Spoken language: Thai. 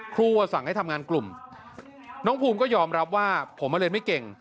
ว่าสั่งให้ทำงานกลุ่มน้องภูมิก็ยอมรับว่าผมมาเรียนไม่เก่ง